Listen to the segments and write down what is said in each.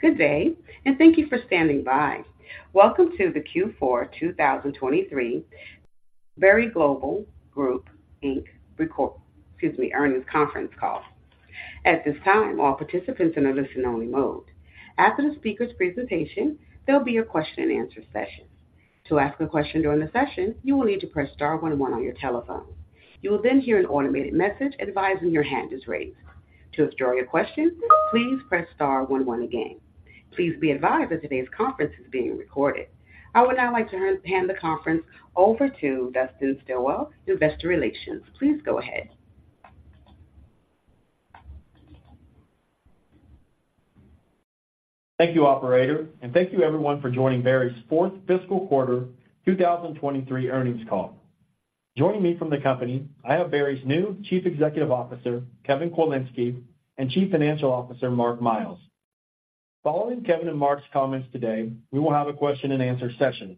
Good day and thank you for standing by. Welcome to the Q4 2023 Berry Global Group, Inc. Earnings Conference Call. At this time, all participants are in a listen-only mode. After the speaker's presentation, there'll be a question-and-answer session. To ask a question during the session, you will need to press star one one on your telephone. You will then hear an automated message advising your hand is raised. To withdraw your question, please press star one one again. Please be advised that today's conference is being recorded. I would now like to hand the conference over to Dustin Stilwell, Investor Relations. Please go ahead. Thank you, operator, and thank you everyone for joining Berry's Fourth Fiscal Quarter, 2023 Earnings Call. Joining me from the company, I have Berry's new Chief Executive Officer, Kevin Kwilinski, and Chief Financial Officer, Mark Miles. Following Kevin and Mark's comments today, we will have a question-and-answer session.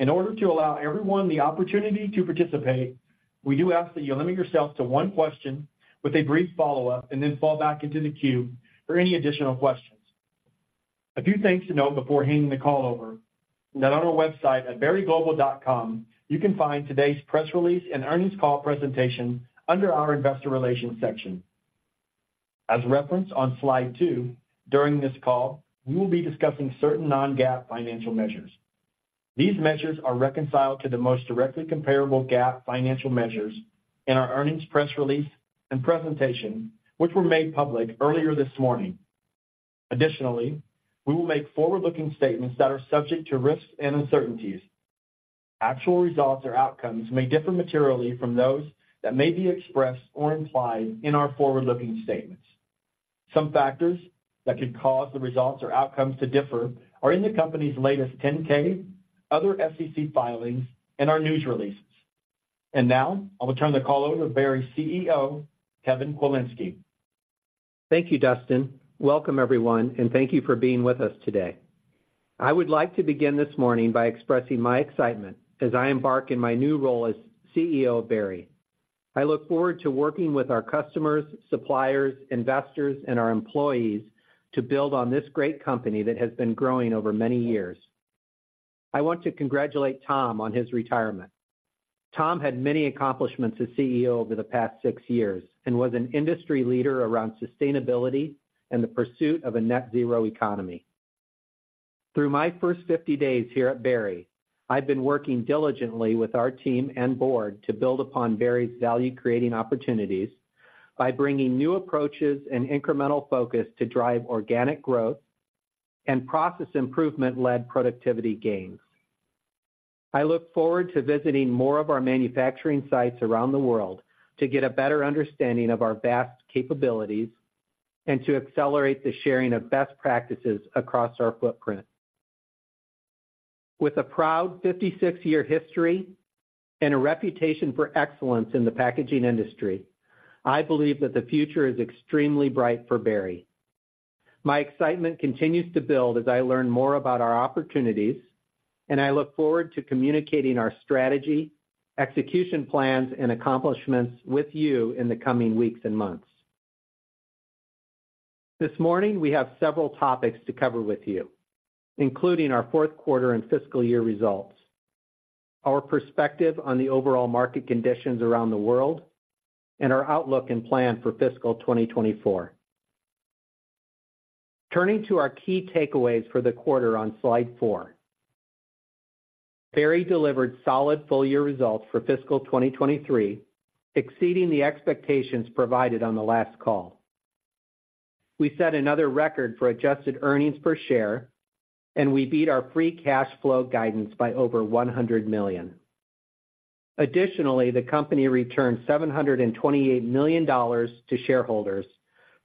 In order to allow everyone, the opportunity to participate, we do ask that you limit yourself to one question with a brief follow-up and then fall back into the queue for any additional questions. A few things to note before handing the call over, that on our website at berryglobal.com, you can find today's press release and earnings call presentation under our Investor Relations section. As referenced on slide 2, during this call, we will be discussing certain non-GAAP financial measures. These measures are reconciled to the most directly comparable GAAP financial measures in our earnings press release and presentation, which were made public earlier this morning. Additionally, we will make forward-looking statements that are subject to risks and uncertainties. Actual results or outcomes may differ materially from those that may be expressed or implied in our forward-looking statements. Some factors that could cause the results or outcomes to differ are in the company's latest 10-K, other SEC filings, and our news releases. Now, I will turn the call over to Berry's CEO, Kevin Kwilinski. Thank you, Dustin. Welcome, everyone, and thank you for being with us today. I would like to begin this morning by expressing my excitement as I embark in my new role as CEO of Berry. I look forward to working with our customers, suppliers, investors, and our employees to build on this great company that has been growing over many years. I want to congratulate Tom on his retirement. Tom had many accomplishments as CEO over the past six years and was an industry leader around sustainability and the pursuit of a net zero economy. Through my first 50 days here at Berry, I've been working diligently with our team and board to build upon Berry's value-creating opportunities by bringing new approaches and incremental focus to drive organic growth and process improvement-led productivity gains. I look forward to visiting more of our manufacturing sites around the world to get a better understanding of our vast capabilities and to accelerate the sharing of best practices across our footprint. With a proud 56-year history and a reputation for excellence in the packaging industry, I believe that the future is extremely bright for Berry. My excitement continues to build as I learn more about our opportunities, and I look forward to communicating our strategy, execution plans, and accomplishments with you in the coming weeks and months. This morning, we have several topics to cover with you, including our fourth quarter and fiscal year results, our perspective on the overall market conditions around the world, and our outlook and plan for fiscal 2024. Turning to our key takeaways for the quarter on slide 4. Berry delivered solid full-year results for fiscal 2023, exceeding the expectations provided on the last call. We set another record for adjusted earnings per share, and we beat our free cash flow guidance by over $100 million. Additionally, the company returned $728 million to shareholders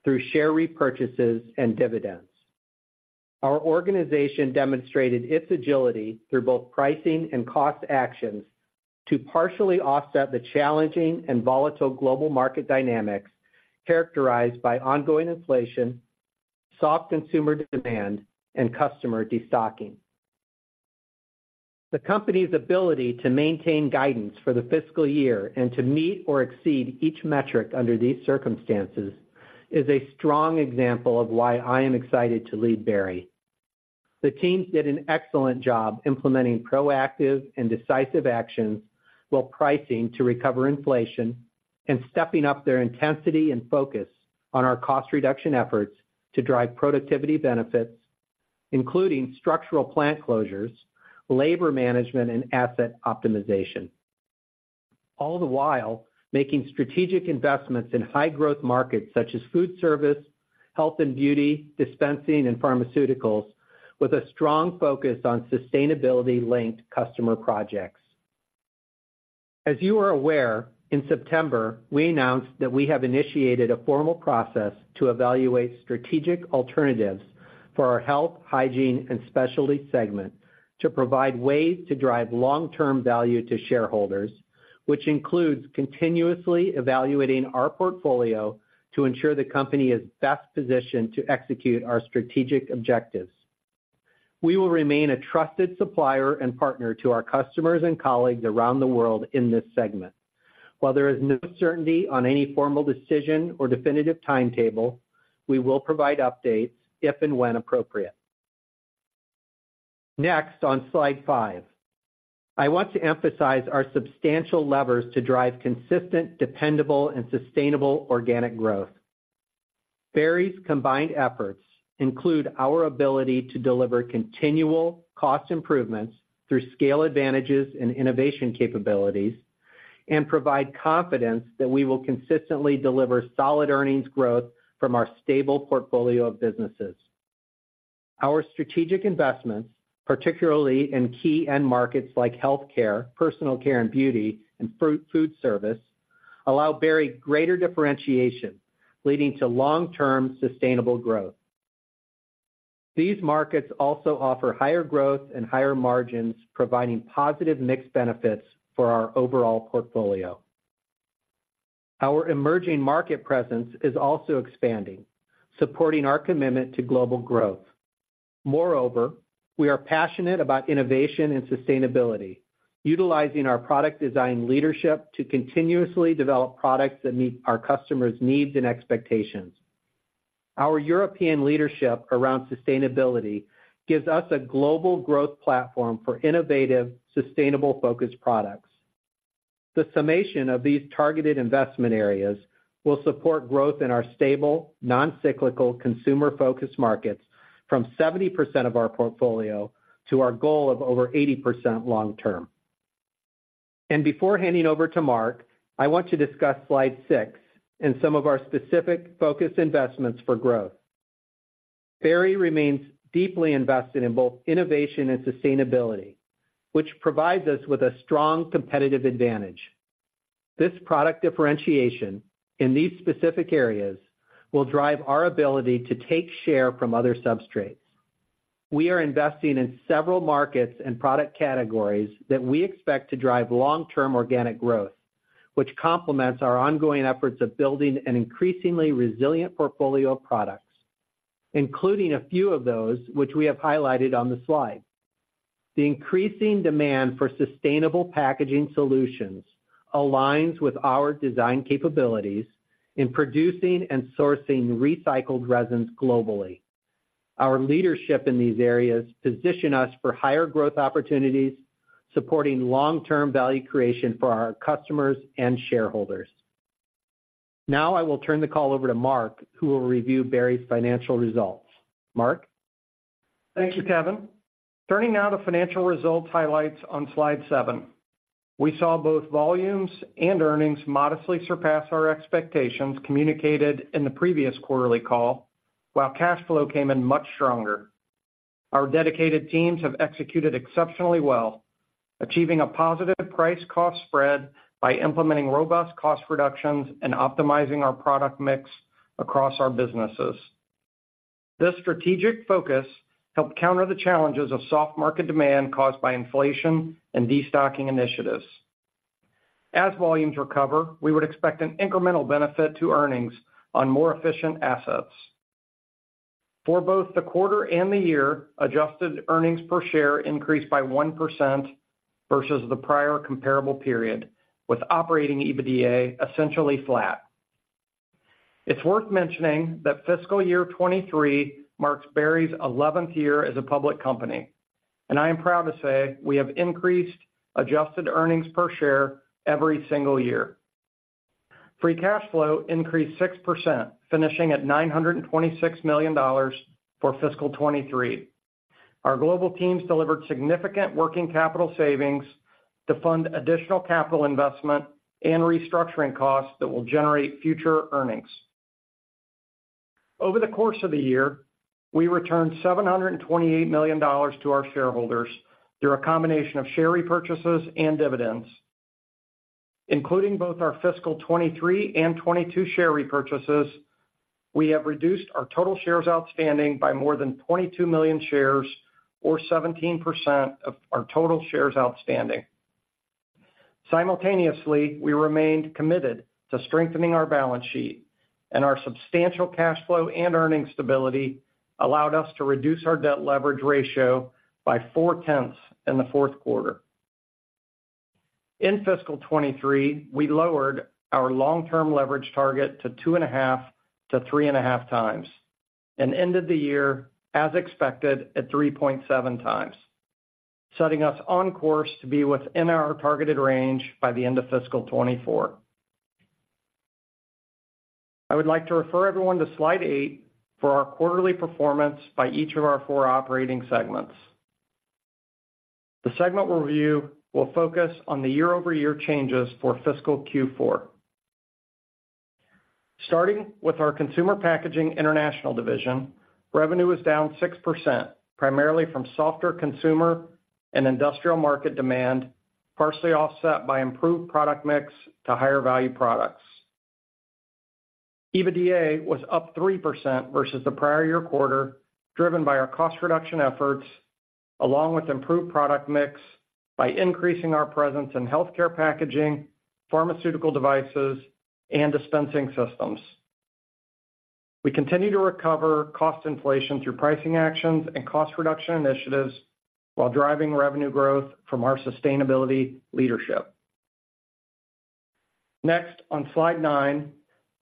through share repurchases and dividends. Our organization demonstrated its agility through both pricing and cost actions to partially offset the challenging and volatile global market dynamics, characterized by ongoing inflation, soft consumer demand, and customer destocking. The company's ability to maintain guidance for the fiscal year and to meet or exceed each metric under these circumstances is a strong example of why I am excited to lead Berry. The teams did an excellent job implementing proactive and decisive actions while pricing to recover inflation and stepping up their intensity and focus on our cost reduction efforts to drive productivity benefits, including structural plant closures, labor management, and asset optimization. All the while, making strategic investments in high-growth markets such as food service, health and beauty, dispensing, and pharmaceuticals, with a strong focus on sustainability-linked customer projects. As you are aware, in September, we announced that we have initiated a formal process to evaluate strategic alternatives for our Health, Hygiene, and Specialties segment to provide ways to drive long-term value to shareholders, which includes continuously evaluating our portfolio to ensure the company is best positioned to execute our strategic objectives.... We will remain a trusted supplier and partner to our customers and colleagues around the world in this segment. While there is no certainty on any formal decision or definitive timetable, we will provide updates if and when appropriate. Next, on slide five, I want to emphasize our substantial levers to drive consistent, dependable, and sustainable organic growth. Berry's combined efforts include our ability to deliver continual cost improvements through scale advantages and innovation capabilities and provide confidence that we will consistently deliver solid earnings growth from our stable portfolio of businesses. Our strategic investments, particularly in key end markets like healthcare, personal care and beauty, and food service, allow Berry greater differentiation, leading to long-term sustainable growth. These markets also offer higher growth and higher margins, providing positive mix benefits for our overall portfolio. Our emerging market presence is also expanding, supporting our commitment to global growth. Moreover, we are passionate about innovation and sustainability, utilizing our product design leadership to continuously develop products that meet our customers' needs and expectations. Our European leadership around sustainability gives us a global growth platform for innovative, sustainable focused products. The summation of these targeted investment areas will support growth in our stable, non-cyclical, consumer-focused markets from 70% of our portfolio to our goal of over 80% long term. And before handing over to Mark, I want to discuss slide 6 and some of our specific focus investments for growth. Berry remains deeply invested in both innovation and sustainability, which provides us with a strong competitive advantage. This product differentiation in these specific areas will drive our ability to take share from other substrates. We are investing in several markets and product categories that we expect to drive long-term organic growth, which complements our ongoing efforts of building an increasingly resilient portfolio of products, including a few of those which we have highlighted on the slide. The increasing demand for sustainable packaging solutions aligns with our design capabilities in producing and sourcing recycled resins globally. Our leadership in these areas position us for higher growth opportunities, supporting long-term value creation for our customers and shareholders. Now I will turn the call over to Mark, who will review Berry's financial results. Mark? Thank you, Kevin. Turning now to financial results highlights on slide 7. We saw both volumes and earnings modestly surpass our expectations communicated in the previous quarterly call, while cash flow came in much stronger. Our dedicated teams have executed exceptionally well, achieving a positive price cost spread by implementing robust cost reductions and optimizing our product mix across our businesses. This strategic focus helped counter the challenges of soft market demand caused by inflation and destocking initiatives. As volumes recover, we would expect an incremental benefit to earnings on more efficient assets. For both the quarter and the year, adjusted earnings per share increased by 1% versus the prior comparable period, with operating EBITDA essentially flat. It's worth mentioning that fiscal year 2023 marks Berry's 11th year as a public company, and I am proud to say we have increased adjusted earnings per share every single year. Free cash flow increased 6%, finishing at $926 million for fiscal 2023. Our global teams delivered significant working capital savings to fund additional capital investment and restructuring costs that will generate future earnings. Over the course of the year, we returned $728 million to our shareholders through a combination of share repurchases and dividends. Including both our fiscal 2023 and 2022 share repurchases, we have reduced our total shares outstanding by more than 22 million shares, or 17% of our total shares outstanding. Simultaneously, we remained committed to strengthening our balance sheet, and our substantial cash flow and earnings stability allowed us to reduce our debt leverage ratio by 0.4 in the fourth quarter. In fiscal 2023, we lowered our long-term leverage target to 2.5-3.5 times, and ended the year, as expected, at 3.7 times, setting us on course to be within our targeted range by the end of fiscal 2024. I would like to refer everyone to slide 8 for our quarterly performance by each of our 4 operating segments. The segment review will focus on the year-over-year changes for fiscal Q4. Starting with our Consumer Packaging International division, revenue was down 6%, primarily from softer consumer and industrial market demand, partially offset by improved product mix to higher value products. EBITDA was up 3% versus the prior year quarter, driven by our cost reduction efforts, along with improved product mix by increasing our presence in healthcare packaging, pharmaceutical devices, and dispensing systems.... We continue to recover cost inflation through pricing actions and cost reduction initiatives, while driving revenue growth from our sustainability leadership. Next, on slide 9,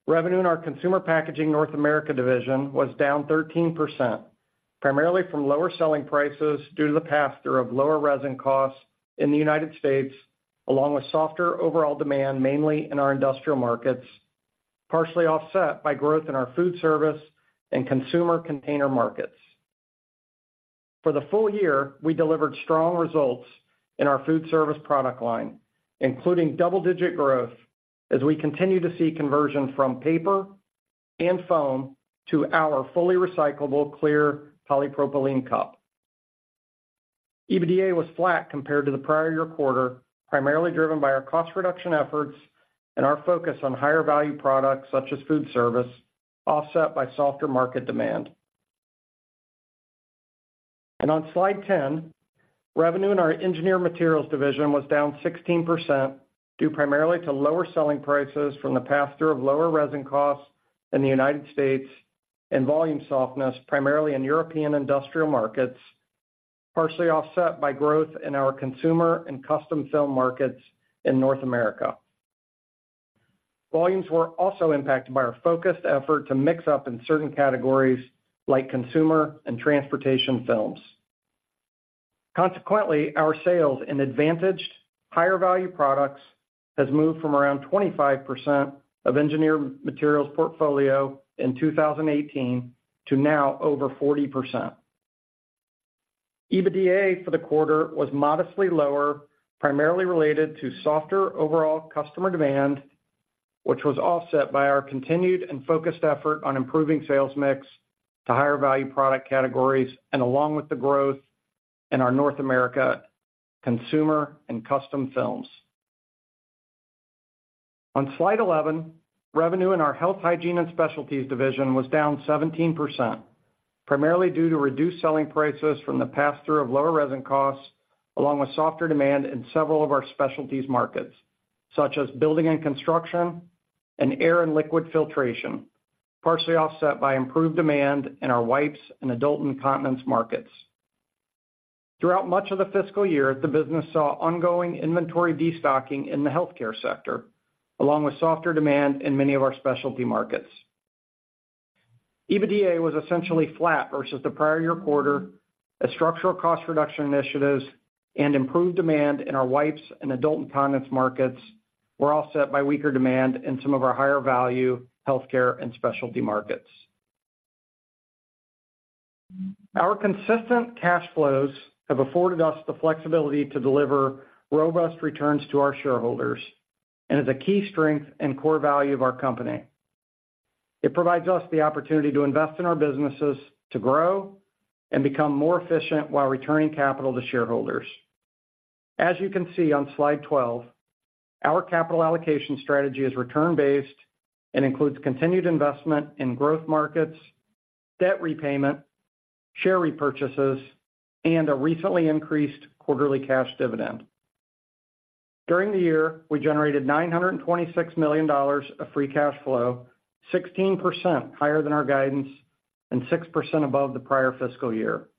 revenue in our Consumer Packaging North America division was down 13%, primarily from lower selling prices due to the pass-through of lower resin costs in the United States, along with softer overall demand, mainly in our industrial markets, partially offset by growth in our food service and consumer container markets. For the full year, we delivered strong results in our food service product line, including double-digit growth as we continue to see conversion from paper and foam to our fully recyclable, clear polypropylene cup. EBITDA was flat compared to the prior year quarter, primarily driven by our cost reduction efforts and our focus on higher value products, such as food service, offset by softer market demand. On slide 10, revenue in our Engineered Materials division was down 16%, due primarily to lower selling prices from the pass-through of lower resin costs in the United States and volume softness, primarily in European industrial markets, partially offset by growth in our consumer and custom film markets in North America. Volumes were also impacted by our focused effort to mix up in certain categories like consumer and transportation films. Consequently, our sales in advantaged higher value products has moved from around 25% of Engineered Materials portfolio in 2018 to now over 40%. EBITDA for the quarter was modestly lower, primarily related to softer overall customer demand, which was offset by our continued and focused effort on improving sales mix to higher value product categories and along with the growth in our North America consumer and custom films. On slide 11, revenue in our Health, Hygiene and Specialties division was down 17%, primarily due to reduced selling prices from the pass-through of lower resin costs, along with softer demand in several of our specialties markets, such as building and construction and air and liquid filtration, partially offset by improved demand in our wipes and adult incontinence markets. Throughout much of the fiscal year, the business saw ongoing inventory destocking in the healthcare sector, along with softer demand in many of our specialty markets. EBITDA was essentially flat versus the prior year quarter, as structural cost reduction initiatives and improved demand in our wipes and adult incontinence markets were offset by weaker demand in some of our higher value healthcare and specialty markets. Our consistent cash flows have afforded us the flexibility to deliver robust returns to our shareholders and is a key strength and core value of our company. It provides us the opportunity to invest in our businesses, to grow and become more efficient while returning capital to shareholders. As you can see on slide 12, our capital allocation strategy is return-based and includes continued investment in growth markets, debt repayment, share repurchases, and a recently increased quarterly cash dividend. During the year, we generated $926 million of free cash flow, 16% higher than our guidance and 6% above the prior fiscal year.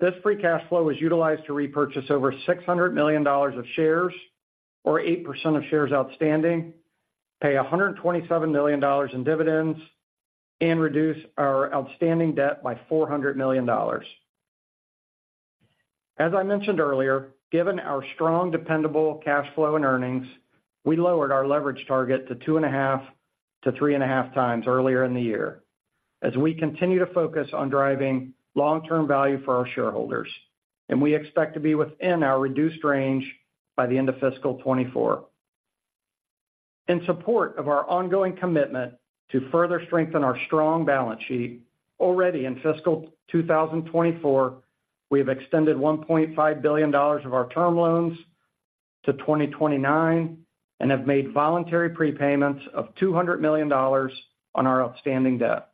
This free cash flow was utilized to repurchase over $600 million of shares, or 8% of shares outstanding, pay $127 million in dividends, and reduce our outstanding debt by $400 million. As I mentioned earlier, given our strong, dependable cash flow and earnings, we lowered our leverage target to 2.5-3.5 times earlier in the year as we continue to focus on driving long-term value for our shareholders, and we expect to be within our reduced range by the end of fiscal 2024. In support of our ongoing commitment to further strengthen our strong balance sheet, already in fiscal 2024, we have extended $1.5 billion of our term loans to 2029 and have made voluntary prepayments of $200 million on our outstanding debt.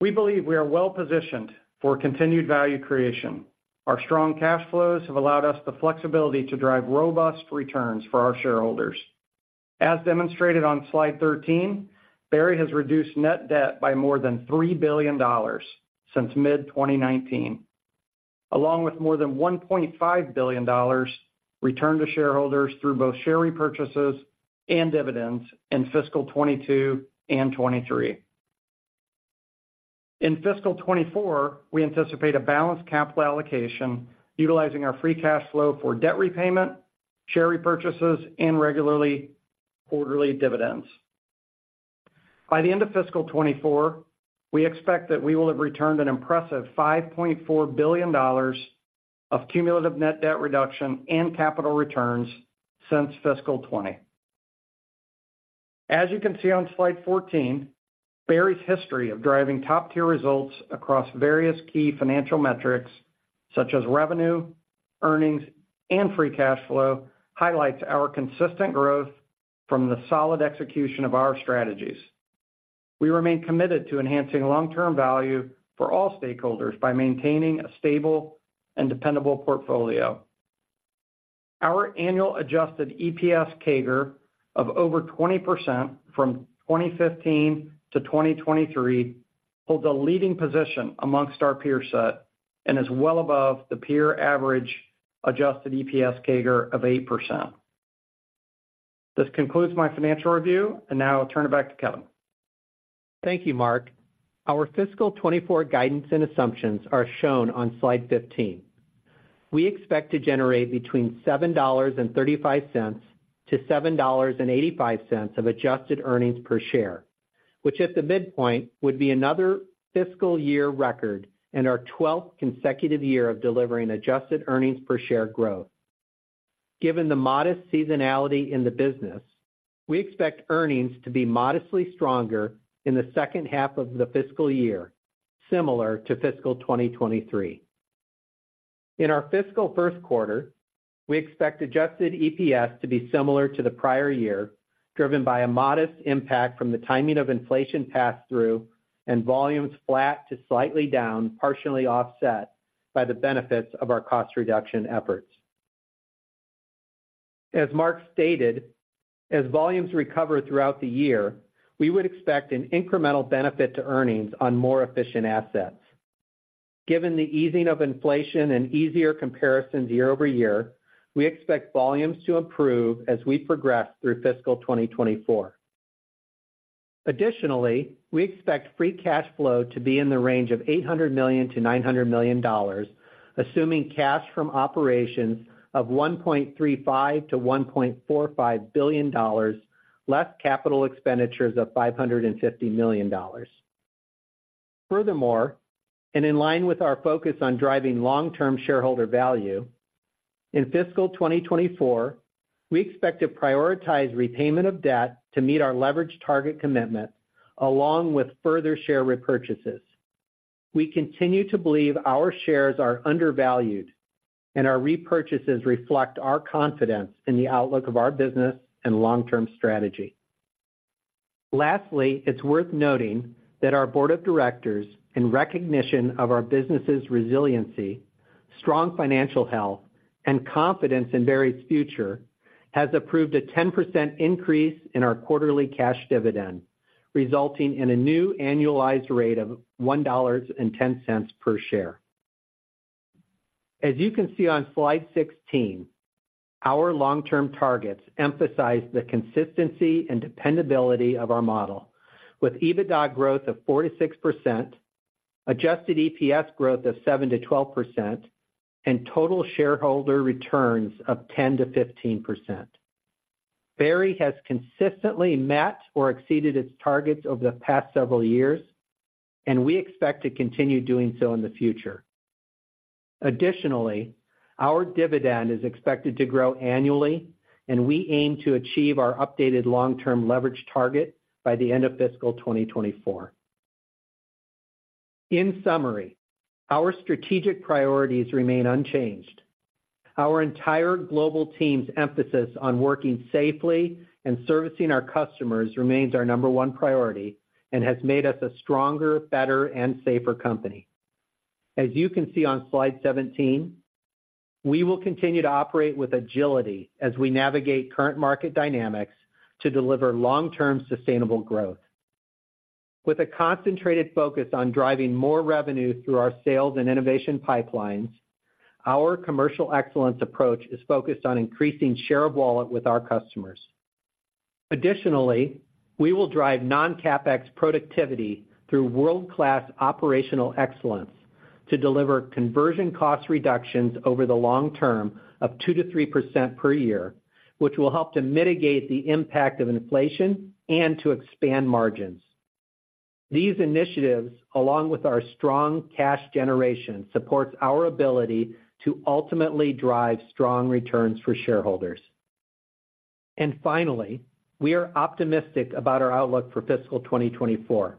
We believe we are well positioned for continued value creation. Our strong cash flows have allowed us the flexibility to drive robust returns for our shareholders. As demonstrated on slide 13, Berry has reduced net debt by more than $3 billion since mid-2019, along with more than $1.5 billion returned to shareholders through both share repurchases and dividends in fiscal 2022 and 2023. In fiscal 2024, we anticipate a balanced capital allocation, utilizing our free cash flow for debt repayment, share repurchases, and regularly quarterly dividends. By the end of fiscal 2024, we expect that we will have returned an impressive $5.4 billion of cumulative net debt reduction and capital returns since fiscal 2020. As you can see on slide 14, Berry's history of driving top-tier results across various key financial metrics, such as revenue, earnings, and free cash flow, highlights our consistent growth from the solid execution of our strategies. We remain committed to enhancing long-term value for all stakeholders by maintaining a stable and dependable portfolio.... Our annual adjusted EPS CAGR of over 20% from 2015 to 2023 holds a leading position among our peer set and is well above the peer average adjusted EPS CAGR of 8%. This concludes my financial review, and now I'll turn it back to Kevin. Thank you, Mark. Our fiscal 2024 guidance and assumptions are shown on slide 15. We expect to generate between $7.35 and $7.85 of adjusted earnings per share, which at the midpoint, would be another fiscal year record and our 12th consecutive year of delivering adjusted earnings per share growth. Given the modest seasonality in the business, we expect earnings to be modestly stronger in the second half of the fiscal year, similar to fiscal 2023. In our fiscal first quarter, we expect adjusted EPS to be similar to the prior year, driven by a modest impact from the timing of inflation pass-through and volumes flat to slightly down, partially offset by the benefits of our cost reduction efforts. As Mark stated, as volumes recover throughout the year, we would expect an incremental benefit to earnings on more efficient assets. Given the easing of inflation and easier comparisons year-over-year, we expect volumes to improve as we progress through fiscal 2024. Additionally, we expect free cash flow to be in the range of $800 million-$900 million, assuming cash from operations of $1.35 billion-$1.45 billion, less capital expenditures of $550 million. Furthermore, and in line with our focus on driving long-term shareholder value, in fiscal 2024, we expect to prioritize repayment of debt to meet our leverage target commitment, along with further share repurchases. We continue to believe our shares are undervalued, and our repurchases reflect our confidence in the outlook of our business and long-term strategy. Lastly, it's worth noting that our board of directors, in recognition of our business's resiliency, strong financial health, and confidence in Berry's future, has approved a 10% increase in our quarterly cash dividend, resulting in a new annualized rate of $1.10 per share. As you can see on Slide 16, our long-term targets emphasize the consistency and dependability of our model, with EBITDA growth of 4%-6%, adjusted EPS growth of 7%-12%, and total shareholder returns of 10%-15%. Berry has consistently met or exceeded its targets over the past several years, and we expect to continue doing so in the future. Additionally, our dividend is expected to grow annually, and we aim to achieve our updated long-term leverage target by the end of fiscal 2024. In summary, our strategic priorities remain unchanged. Our entire global team's emphasis on working safely and servicing our customers remains our number 1 priority and has made us a stronger, better, and safer company. As you can see on Slide 17, we will continue to operate with agility as we navigate current market dynamics to deliver long-term sustainable growth. With a concentrated focus on driving more revenue through our sales and innovation pipelines, our commercial excellence approach is focused on increasing share of wallet with our customers. Additionally, we will drive non-CapEx productivity through world-class operational excellence to deliver conversion cost reductions over the long term of 2%-3% per year, which will help to mitigate the impact of inflation and to expand margins. These initiatives, along with our strong cash generation, supports our ability to ultimately drive strong returns for shareholders. Finally, we are optimistic about our outlook for fiscal 2024,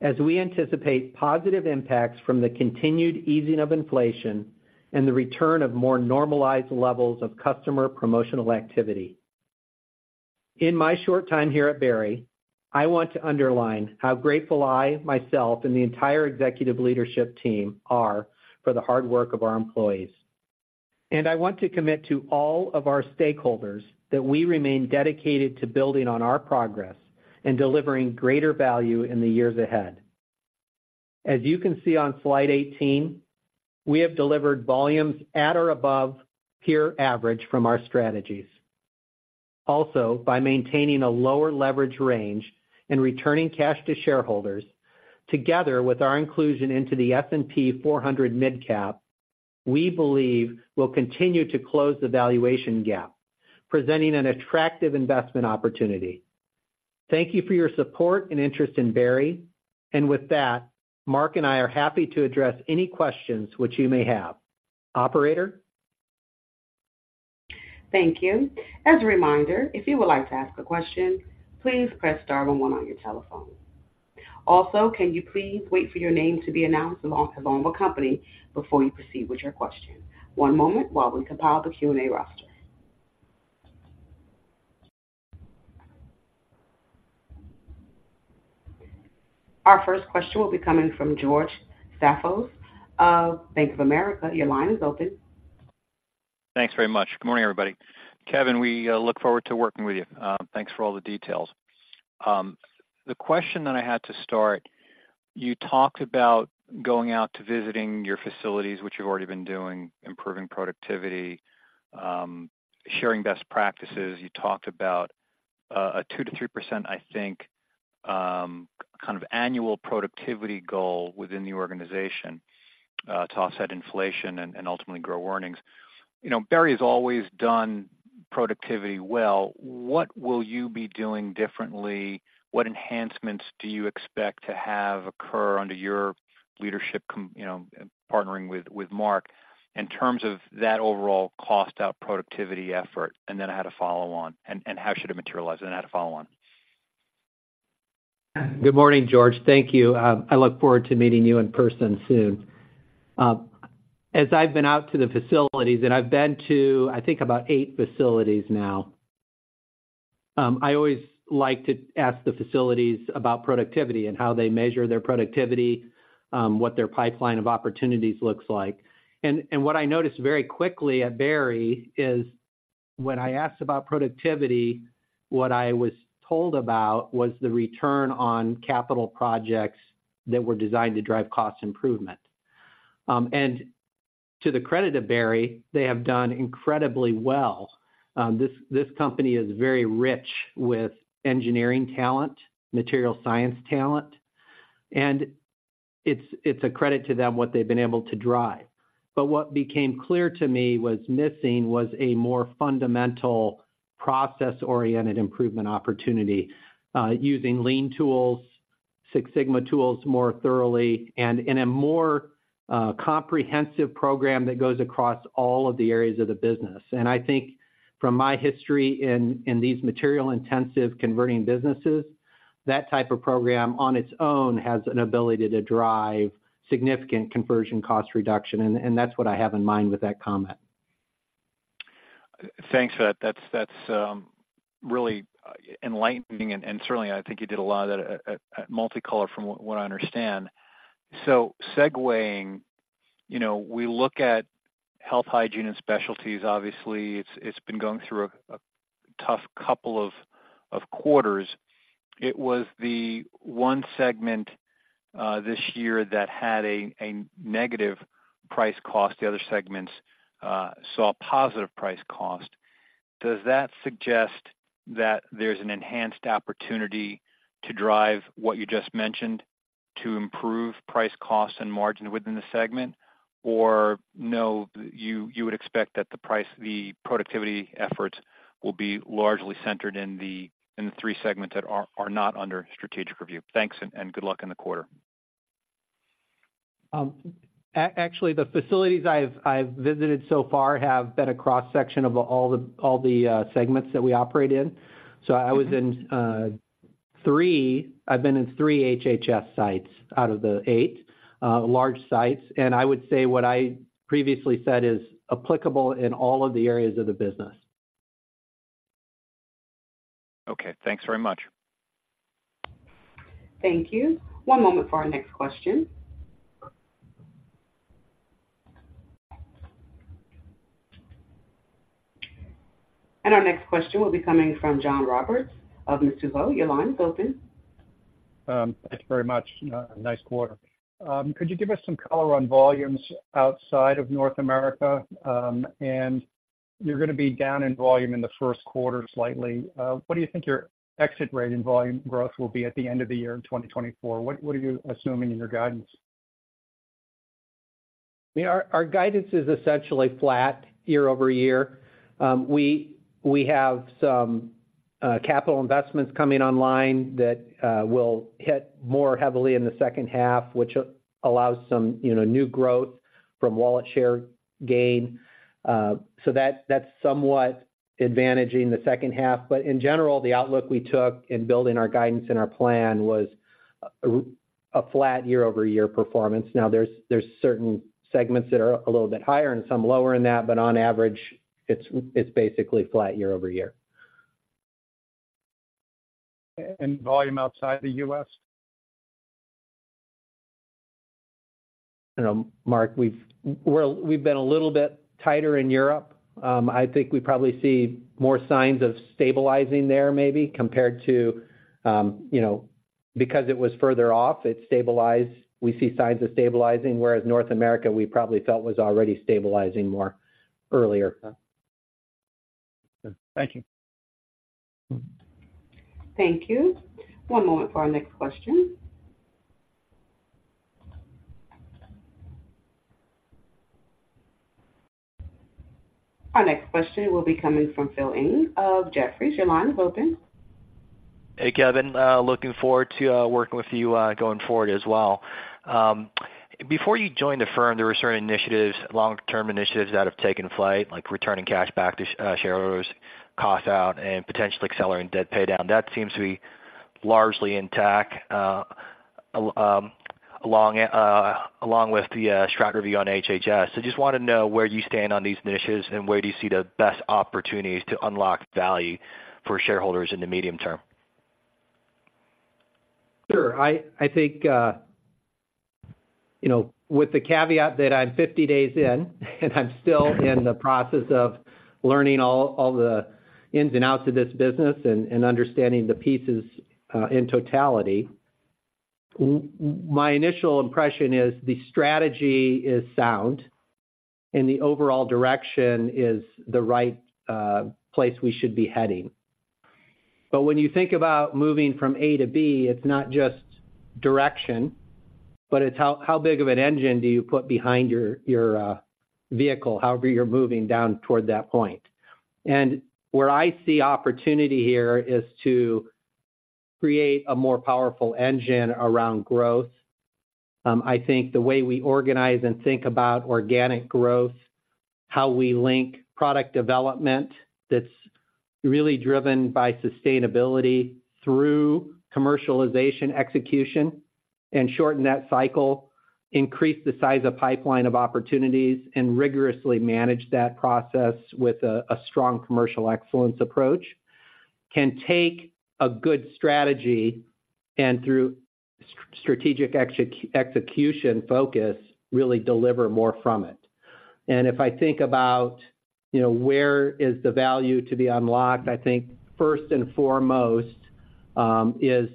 as we anticipate positive impacts from the continued easing of inflation and the return of more normalized levels of customer promotional activity. In my short time here at Berry, I want to underline how grateful I, myself, and the entire executive leadership team are for the hard work of our employees, and I want to commit to all of our stakeholders that we remain dedicated to building on our progress and delivering greater value in the years ahead. As you can see on Slide 18, we have delivered volumes at or above peer average from our strategies. Also, by maintaining a lower leverage range and returning cash to shareholders, together with our inclusion into the S&P 400 MidCap, we believe we'll continue to close the valuation gap, presenting an attractive investment opportunity. Thank you for your support and interest in Berry. With that, Mark and I are happy to address any questions which you may have. Operator? Thank you. As a reminder, if you would like to ask a question, please press star one one on your telephone. Also, can you please wait for your name to be announced along with company before you proceed with your question? One moment while we compile the Q&A roster. ... Our first question will be coming from George Staphos of Bank of America. Your line is open. Thanks very much. Good morning, everybody. Kevin, we look forward to working with you. Thanks for all the details. The question that I had to start: you talked about going out to visiting your facilities, which you've already been doing, improving productivity, sharing best practices. You talked about a 2%-3%, I think, kind of annual productivity goal within the organization to offset inflation and ultimately grow earnings. You know, Berry has always done productivity well. What will you be doing differently? What enhancements do you expect to have occur under your leadership, you know, partnering with Mark, in terms of that overall cost out productivity effort? And then I had a follow on. And how should it materialize? And I had a follow on. Good morning, George. Thank you. I look forward to meeting you in person soon. As I've been out to the facilities, and I've been to, I think about 8 facilities now, I always like to ask the facilities about productivity and how they measure their productivity, what their pipeline of opportunities looks like. And what I noticed very quickly at Berry is when I asked about productivity, what I was told about was the return on capital projects that were designed to drive cost improvement. And to the credit of Berry, they have done incredibly well. This company is very rich with engineering talent, material science talent, and it's a credit to them, what they've been able to drive. But what became clear to me was missing was a more fundamental process-oriented improvement opportunity, using Lean tools, Six Sigma tools, more thoroughly and in a more, comprehensive program that goes across all of the areas of the business. And I think from my history in these material-intensive converting businesses, that type of program on its own has an ability to drive significant conversion cost reduction, and that's what I have in mind with that comment. Thanks for that. That's really enlightening and certainly, I think you did a lot of that at Multi-Color from what I understand. So segueing, you know, we look at Health, Hygiene and Specialties. Obviously, it's been going through a tough couple of quarters. It was the one segment this year that had a negative price cost. The other segments saw positive price cost. Does that suggest that there's an enhanced opportunity to drive what you just mentioned, to improve price, cost, and margin within the segment? Or no, you would expect that the price - the productivity efforts will be largely centered in the three segments that are not under strategic review? Thanks, and good luck in the quarter. Actually, the facilities I've visited so far have been a cross-section of all the segments that we operate in. So I've been in three HHS sites out of the eight large sites, and I would say what I previously said is applicable in all of the areas of the business. Okay. Thanks very much. Thank you. One moment for our next question. Our next question will be coming from John Roberts of Mizuho. Your line is open. Thanks very much. Nice quarter. Could you give us some color on volumes outside of North America? And you're gonna be down in volume in the first quarter, slightly. What do you think your exit rate and volume growth will be at the end of the year in 2024? What are you assuming in your guidance? Yeah, our guidance is essentially flat year-over-year. We have some capital investments coming online that will hit more heavily in the second half, which allows some, you know, new growth from wallet share gain. So that's somewhat advantaging the second half. But in general, the outlook we took in building our guidance and our plan was a flat year-over-year performance. Now there's certain segments that are a little bit higher and some lower than that, but on average, it's basically flat year-over-year. Volume outside the U.S.? You know, Mark, we've been a little bit tighter in Europe. I think we probably see more signs of stabilizing there maybe compared to, you know, because it was further off, it stabilized. We see signs of stabilizing, whereas North America, we probably felt was already stabilizing more earlier. Thank you. Thank you. One moment for our next question. Our next question will be coming from Phil Ng of Jefferies. Your line is open. Hey, Kevin, looking forward to working with you going forward as well. Before you joined the firm, there were certain initiatives, long-term initiatives that have taken flight, like returning cash back to shareholders, cost out, and potentially accelerating debt paydown. That seems to be largely intact. Along with the strategy on HHS. I just want to know where you stand on these initiatives, and where do you see the best opportunities to unlock value for shareholders in the medium term? Sure. I think, you know, with the caveat that I'm 50 days in, and I'm still in the process of learning all, all the ins and outs of this business and, and understanding the pieces, in totality. My initial impression is the strategy is sound, and the overall direction is the right place we should be heading. But when you think about moving from A to B, it's not just direction, but it's how, how big of an engine do you put behind your, your vehicle, however you're moving down toward that point. And where I see opportunity here is to create a more powerful engine around growth. I think the way we organize and think about organic growth, how we link product development that's really driven by sustainability through commercialization, execution, and shorten that cycle, increase the size of pipeline of opportunities, and rigorously manage that process with a strong commercial excellence approach, can take a good strategy and through strategic execution focus, really deliver more from it. And if I think about, you know, where is the value to be unlocked, I think first and foremost, is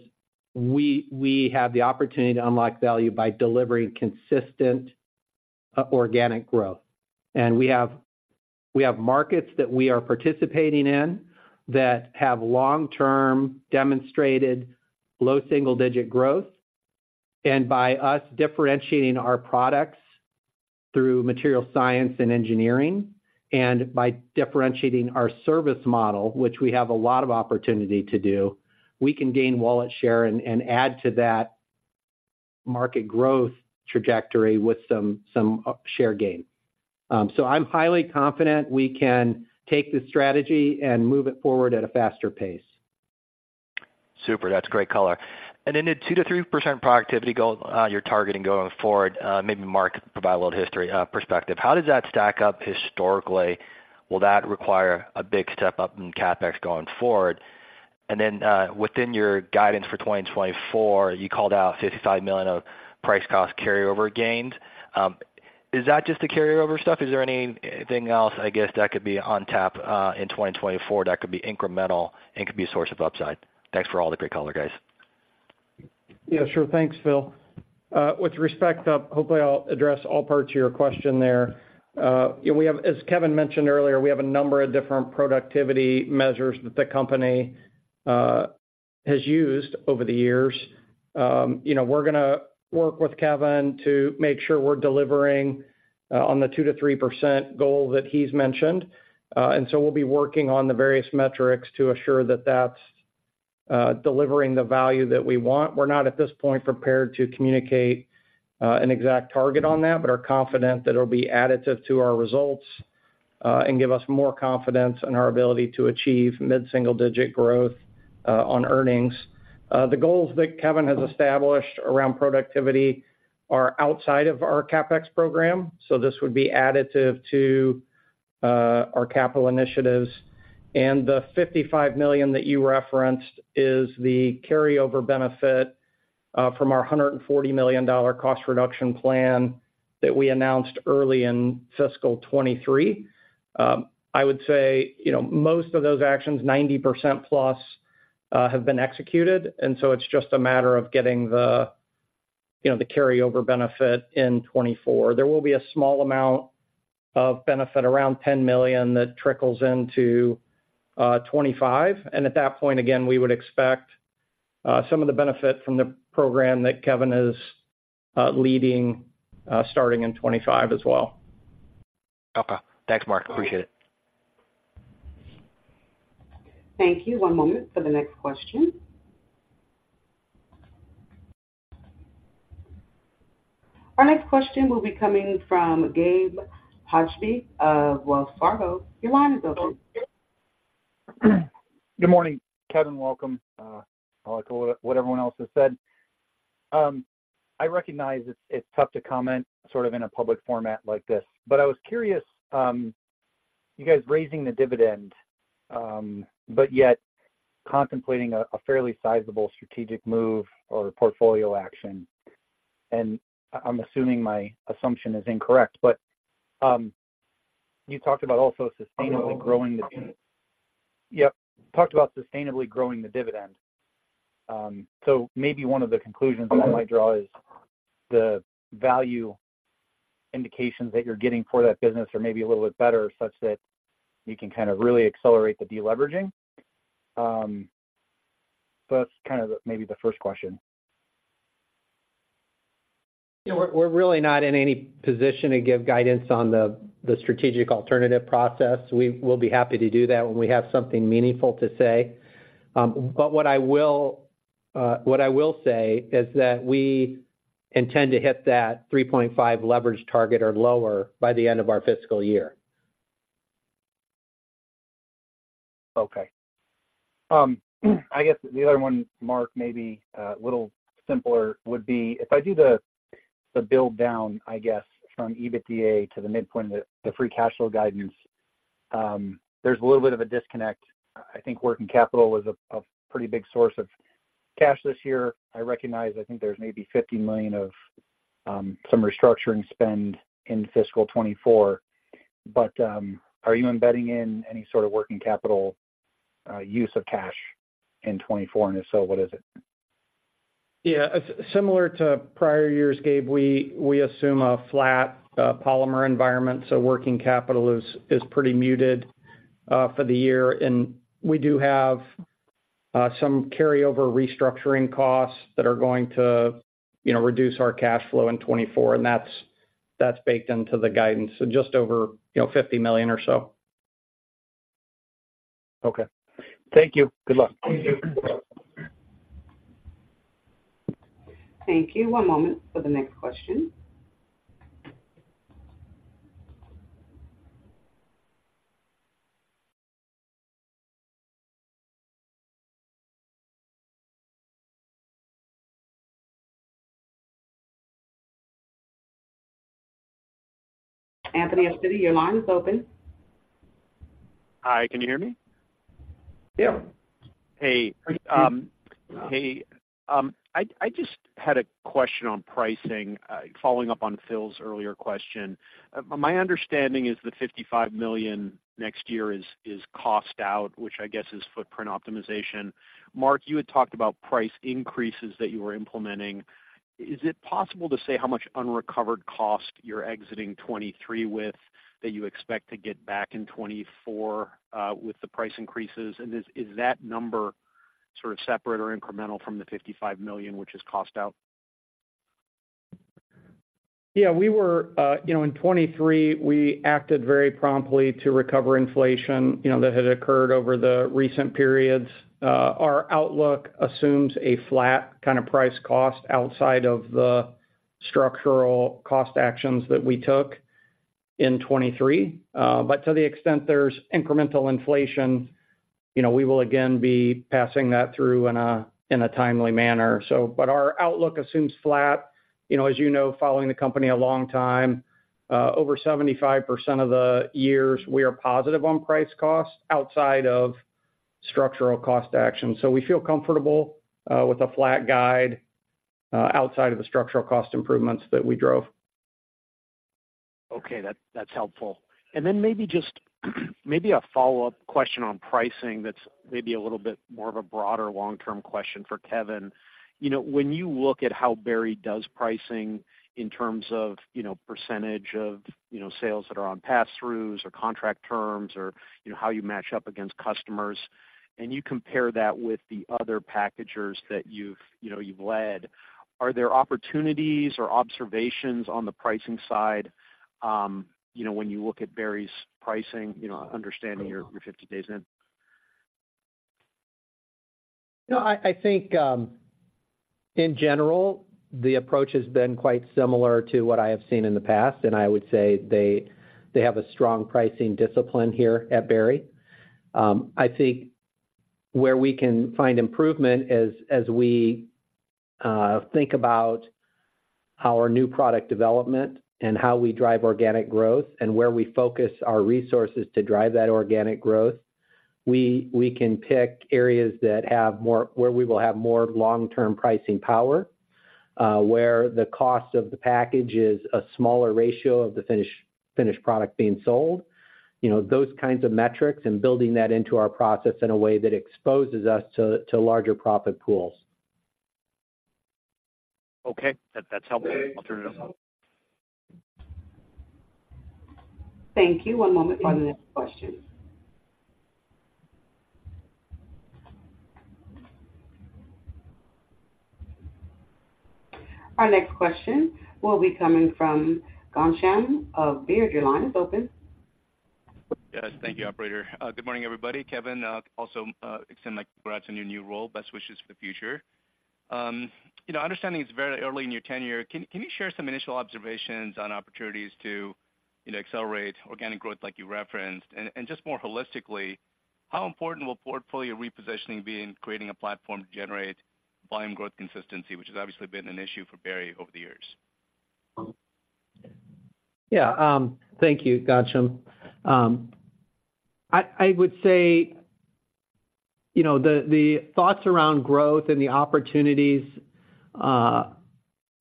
we, we have the opportunity to unlock value by delivering consistent, organic growth. And we have, we have markets that we are participating in that have long-term, demonstrated low single-digit growth. By us differentiating our products through material science and engineering, and by differentiating our service model, which we have a lot of opportunity to do, we can gain wallet share and add to that market growth trajectory with some share gain. So I'm highly confident we can take this strategy and move it forward at a faster pace. Super, that's great color. Then the 2%-3% productivity goal you're targeting going forward, maybe Mark, provide a little history, perspective. How does that stack up historically? Will that require a big step up in CapEx going forward? Then, within your guidance for 2024, you called out $55 million of price cost carryover gains. Is that just the carryover stuff? Is there anything else, I guess, that could be on tap, in 2024, that could be incremental and could be a source of upside? Thanks for all the great color, guys. Yeah, sure. Thanks, Phil. With respect to... Hopefully, I'll address all parts of your question there. Yeah, we have. As Kevin mentioned earlier, we have a number of different productivity measures that the company has used over the years. You know, we're going to work with Kevin to make sure we're delivering on the 2%-3% goal that he's mentioned. And so we'll be working on the various metrics to assure that that's delivering the value that we want. We're not, at this point, prepared to communicate an exact target on that, but are confident that it'll be additive to our results and give us more confidence in our ability to achieve mid-single-digit growth on earnings. The goals that Kevin has established around productivity are outside of our CapEx program, so this would be additive to our capital initiatives. The $55 million that you referenced is the carryover benefit from our $140 million cost reduction plan that we announced early in fiscal 2023. I would say, you know, most of those actions, 90% plus, have been executed, and so it's just a matter of getting the, you know, the carryover benefit in 2024. There will be a small amount of benefit, around $10 million, that trickles into 2025. At that point, again, we would expect some of the benefit from the program that Kevin is leading starting in 2025 as well. Okay. Thanks, Mark. Appreciate it. Thank you. One moment for the next question. Our next question will be coming from Gabe Hajde of Wells Fargo. Your line is open. Good morning, Kevin. Welcome. I like what everyone else has said. I recognize it's tough to comment sort of in a public format like this, but I was curious, you guys raising the dividend, but yet contemplating a fairly sizable strategic move or portfolio action. And I'm assuming my assumption is incorrect, but you talked about also sustainably growing the dividend. Yep, talked about sustainably growing the dividend. So maybe one of the conclusions I might draw is the value indications that you're getting for that business are maybe a little bit better, such that you can kind of really accelerate the deleveraging. So that's kind of maybe the first question. Yeah. We're really not in any position to give guidance on the strategic alternative process. We'll be happy to do that when we have something meaningful to say. But what I will say is that we intend to hit that 3.5 leverage target or lower by the end of our fiscal year. ... Okay. I guess the other one, Mark, maybe a little simpler, would be if I do the build down, I guess, from EBITDA to the midpoint of the free cash flow guidance, there's a little bit of a disconnect. I think working capital was a pretty big source of cash this year. I recognize, I think there's maybe $50 million of some restructuring spend in fiscal 2024. But, are you embedding in any sort of working capital use of cash in 2024? And if so, what is it? Yeah. Similar to prior years, Gabe, we assume a flat polymer environment, so working capital is pretty muted for the year. And we do have some carryover restructuring costs that are going to, you know, reduce our cash flow in 2024, and that's baked into the guidance. So just over, you know, $50 million or so. Okay. Thank you. Good luck. Thank you. Thank you. One moment for the next question. Anthony Pettinari, your line is open. Hi, can you hear me? Yeah. Hey, I just had a question on pricing, following up on Phil's earlier question. My understanding is the $55 million next year is cost out, which I guess is footprint optimization. Mark, you had talked about price increases that you were implementing. Is it possible to say how much unrecovered cost you're exiting 2023 with, that you expect to get back in 2024 with the price increases? And is that number sort of separate or incremental from the $55 million, which is cost out? Yeah, we were, you know, in 2023, we acted very promptly to recover inflation, you know, that had occurred over the recent periods. Our outlook assumes a flat kind of price cost outside of the structural cost actions that we took in 2023. But to the extent there's incremental inflation, you know, we will again be passing that through in a timely manner. So, but our outlook assumes flat. You know, as you know, following the company a long time, over 75% of the years, we are positive on price cost outside of structural cost action. So we feel comfortable with a flat guide outside of the structural cost improvements that we drove. Okay. That's helpful. And then maybe just, maybe a follow-up question on pricing that's maybe a little bit more of a broader long-term question for Kevin. You know, when you look at how Berry does pricing in terms of, you know, percentage of, you know, sales that are on passthroughs or contract terms or, you know, how you match up against customers, and you compare that with the other packagers that you've, you know, you've led, are there opportunities or observations on the pricing side, you know, when you look at Berry's pricing, you know, understanding you're 50 days in? No, I think, in general, the approach has been quite similar to what I have seen in the past, and I would say they have a strong pricing discipline here at Berry. I think where we can find improvement is as we think about our new product development and how we drive organic growth and where we focus our resources to drive that organic growth. We can pick areas that have more, where we will have more long-term pricing power, where the cost of the package is a smaller ratio of the finished product being sold. You know, those kinds of metrics, and building that into our process in a way that exposes us to larger profit pools. Okay. That's helpful. I'll turn it over. Thank you. One moment for the next question. Our next question will be coming from Ghansham of Baird. Your line is open. Yes, thank you, operator. Good morning, everybody. Kevin, also, extend my congrats on your new role. Best wishes for the future. You know, understanding it's very early in your tenure, can you share some initial observations on opportunities to, you know, accelerate organic growth like you referenced? And just more holistically, how important will portfolio repositioning be in creating a platform to generate volume growth consistency, which has obviously been an issue for Berry over the years? Yeah, thank you, Ghansham. I would say, you know, the thoughts around growth and the opportunities,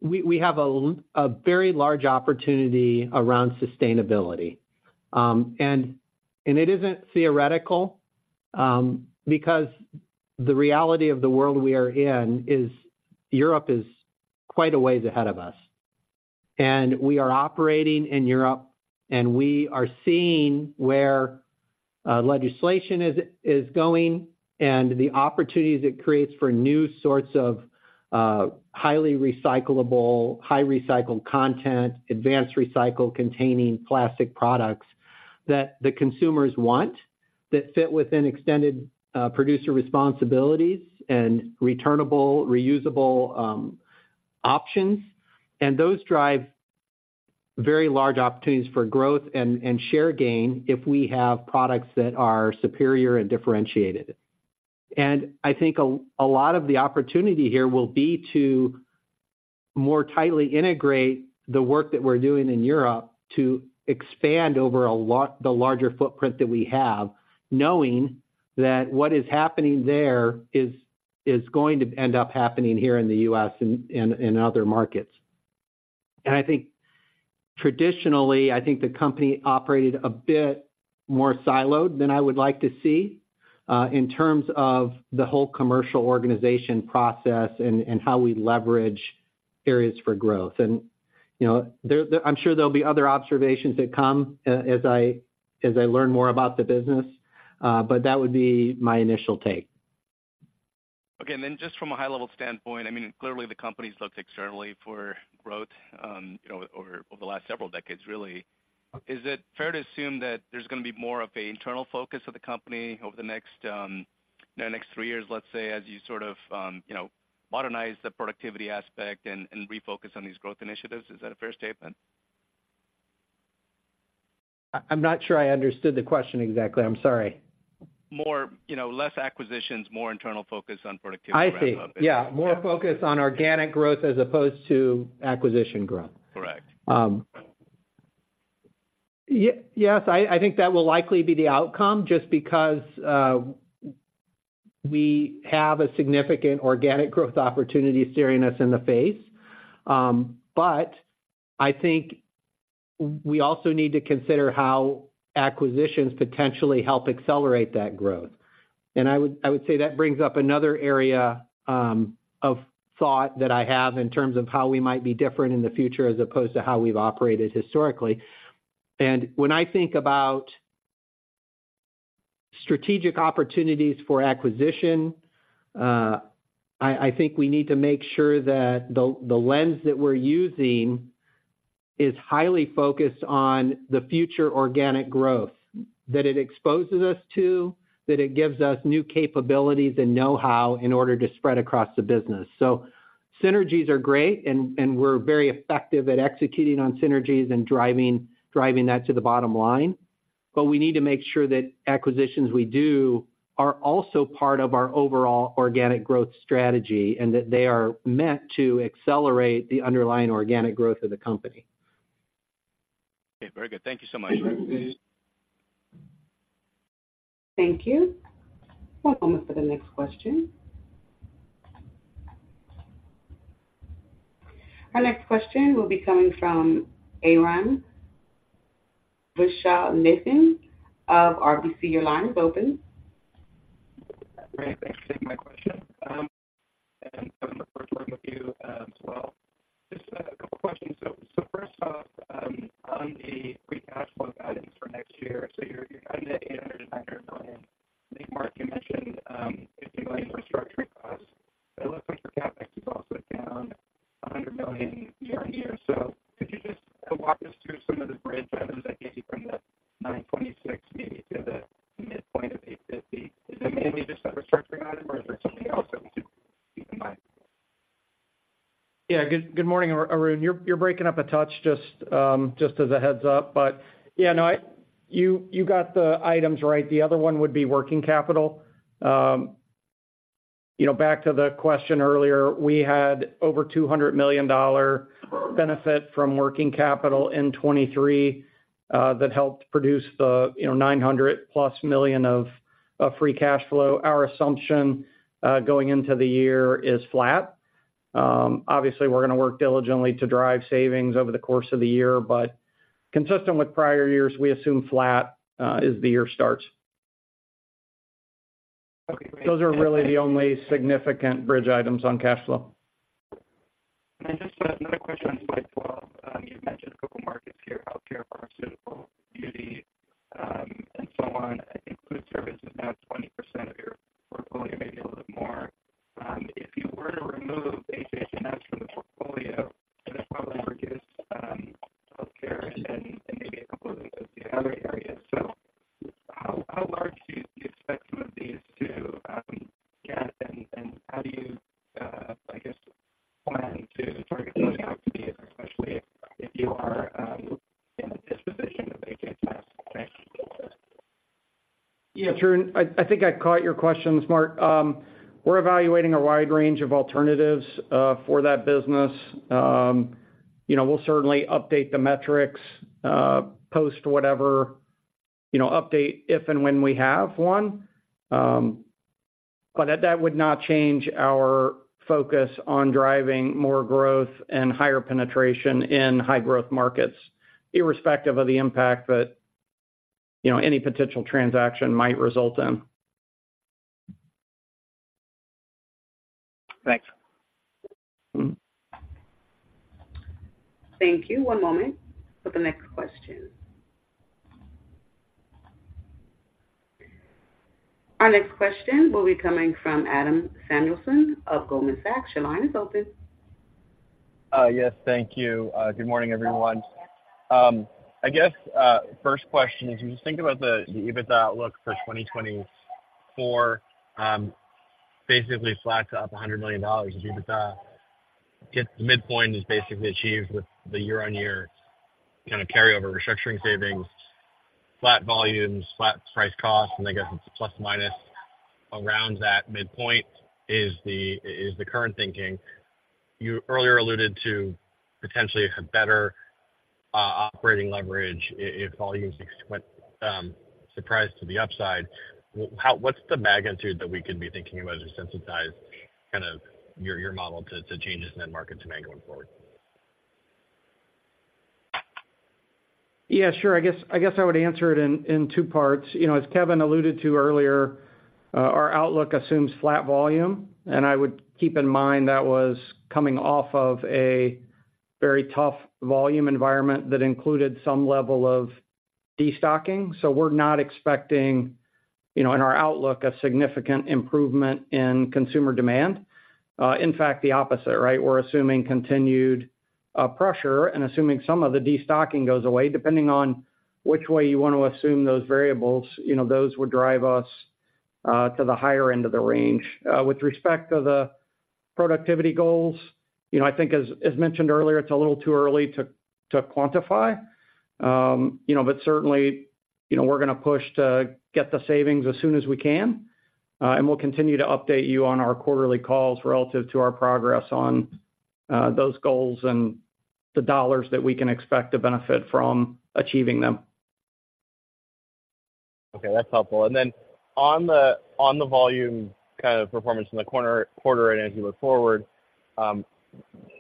we have a very large opportunity around sustainability. And it isn't theoretical, because the reality of the world we are in is Europe is quite a ways ahead of us, and we are operating in Europe, and we are seeing where legislation is going and the opportunities it creates for new sorts of highly recyclable, high recycled content, advanced recycling containing plastic products that the consumers want, that fit within extended producer responsibilities and returnable, reusable options. And those drive very large opportunities for growth and share gain if we have products that are superior and differentiated. And I think a lot of the opportunity here will be to more tightly integrate the work that we're doing in Europe to expand over the larger footprint that we have, knowing that what is happening there is going to end up happening here in the U.S. and in other markets. And I think traditionally, I think the company operated a bit more siloed than I would like to see in terms of the whole commercial organization process and how we leverage areas for growth. And, you know, I'm sure there'll be other observations that come as I learn more about the business, but that would be my initial take. Okay. And then just from a high-level standpoint, I mean, clearly, the company's looked externally for growth, you know, over the last several decades, really. Is it fair to assume that there's gonna be more of an internal focus of the company over the next three years, let's say, as you sort of, you know, modernize the productivity aspect and refocus on these growth initiatives? Is that a fair statement? I'm not sure I understood the question exactly. I'm sorry. More, you know, less acquisitions, more internal focus on productivity- I see. Yeah. Yeah, more focus on organic growth as opposed to acquisition growth. Correct. Yes, I think that will likely be the outcome just because we have a significant organic growth opportunity staring us in the face. But I think we also need to consider how acquisitions potentially help accelerate that growth. I would say that brings up another area of thought that I have in terms of how we might be different in the future, as opposed to how we've operated historically. When I think about strategic opportunities for acquisition, I think we need to make sure that the lens that we're using is highly focused on the future organic growth, that it exposes us to, that it gives us new capabilities and know-how in order to spread across the business. So synergies are great, and we're very effective at executing on synergies and driving that to the bottom line, but we need to make sure that acquisitions we do are also part of our overall organic growth strategy, and that they are meant to accelerate the underlying organic growth of the company. Okay, very good. Thank you so much. Thank you. One moment for the next question. Our next question will be coming from Arun Viswanathan of RBC. Your line is open. Great. Thanks for taking my question, and looking forward to working with you, as well. Just a couple questions. First off, on the free cash flow guidance for next year, you're guiding at $800 million-$900 million. I think, Mark, you mentioned $50 million restructuring costs, but it looks like your CapEx is also down $100 million year-over-year. So could you just walk us through some of the bridge items that get you from the $926 million, maybe, to the midpoint of $850 million? Is it mainly just that restructuring item, or is there something else that we should keep in mind? Yeah. Good morning, Arun. You're breaking up a touch, just as a heads up. But yeah, no, you got the items right. The other one would be working capital. You know, back to the question earlier, we had over $200 million benefit from working capital in 2023, that helped produce the, you know, $900+ million of free cash flow. Our assumption going into the year is flat. Obviously, we're gonna work diligently to drive savings over the course of the year, but consistent with prior years, we assume flat as the year starts. Okay, great. Those are really the only significant bridge items on cash flow. Then just another question on slide 12. You've mentioned a couple markets here, healthcare, pharmaceutical, beauty, and so on. I think food service is now 20% of your portfolio, maybe a little bit more. If you were to remove HHS from the portfolio, that'd probably reduce healthcare and maybe a couple of the other areas. So how large do you expect some of these to get, and how do you, I guess, plan to target those opportunities, especially if you are in a disposition of HHS? Thanks. Yeah, Arun, I think I caught your question, Mark. We're evaluating a wide range of alternatives for that business. You know, we'll certainly update the metrics post whatever, you know, update if and when we have one. But that would not change our focus on driving more growth and higher penetration in high growth markets, irrespective of the impact that, you know, any potential transaction might result in. Thanks. Mm-hmm. Thank you. One moment for the next question. Our next question will be coming from Adam Samuelson of Goldman Sachs. Your line is open. Yes, thank you. Good morning, everyone. I guess first question is, when you think about the EBITDA outlook for 2024.... basically adds up $100 million in EBITDA. Yet the midpoint is basically achieved with the year-on-year kind of carryover, restructuring savings, flat volumes, flat price cost, and I guess it's plus minus around that midpoint is the current thinking. You earlier alluded to potentially a better operating leverage if volumes went surprise to the upside. What's the magnitude that we could be thinking about as we sensitize kind of your model to changes in end market demand going forward? Yeah, sure. I guess, I guess I would answer it in, in two parts. You know, as Kevin alluded to earlier, our outlook assumes flat volume, and I would keep in mind that was coming off of a very tough volume environment that included some level of destocking. So we're not expecting, you know, in our outlook, a significant improvement in consumer demand. In fact, the opposite, right? We're assuming continued pressure and assuming some of the destocking goes away, depending on which way you want to assume those variables, you know, those would drive us to the higher end of the range. With respect to the productivity goals, you know, I think as, as mentioned earlier, it's a little too early to, to quantify. You know, but certainly, you know, we're gonna push to get the savings as soon as we can, and we'll continue to update you on our quarterly calls relative to our progress on those goals and the dollars that we can expect to benefit from achieving them. Okay, that's helpful. Then on the volume kind of performance in the quarter and as you look forward,